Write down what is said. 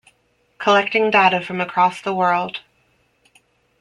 Collecting data from across the world.